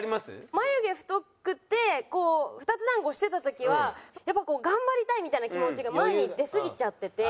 眉毛太くてこう２つ団子してた時はやっぱ頑張りたいみたいな気持ちが前に出すぎちゃってて。